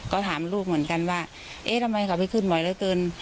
ก็ถามลูกเหมือนกันว่าเอ๊ะทำไมเขาไปขึ้นบ่อยเหลือเกิน